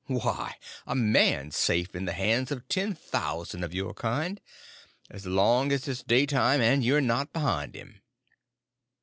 _ Why, a man's safe in the hands of ten thousand of your kind—as long as it's daytime and you're not behind him.